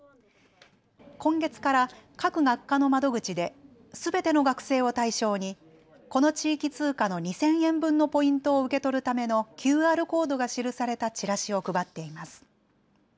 今月から各学科の窓口ですべての学生を対象にこの地域通貨の２０００円分のポイントを受け取るためのＱＲコードが記されたチラシを配っています。